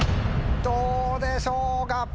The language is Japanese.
どうでしょうか？